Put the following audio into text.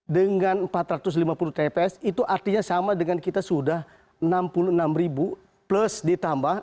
dengan empat ratus lima puluh tps itu artinya sama dengan kita sudah enam puluh enam ribu plus ditambah